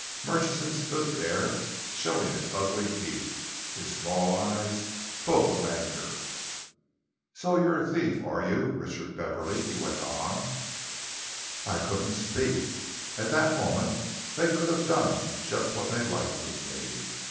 Murchison stood there, showing his ugly teeth, his small eyes full of anger. "'So you're a thief, are you, Richard Beverley?' he went on. "I couldn't speak. At that moment they could have done just what they liked with me.